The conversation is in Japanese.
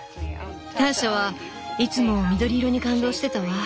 ターシャはいつも緑色に感動してたわ。